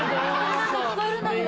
何か聞こえるんだけど。